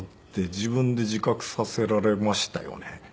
自分で自覚させられましたよね。